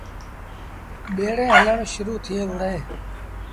ٻيٚڙيٚن هلڻ شرو ٿئي وُهڙيٚن۔